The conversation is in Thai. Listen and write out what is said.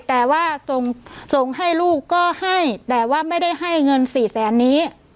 แต่ว่าส่งส่งให้ลูกก็ให้แต่ว่าไม่ได้ให้เงินสี่แสนนี้